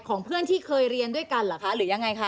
ของเพื่อนที่เคยเรียนด้วยกันหรือยังไงคะ